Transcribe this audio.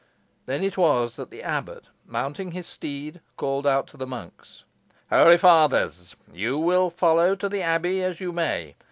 Then it was that the abbot, mounting his steed, called out to the monks "Holy fathers, you will follow to the abbey as you may.